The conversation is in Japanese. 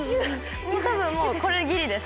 たぶんもうこれギリです。